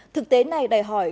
thực tế này đài hỏi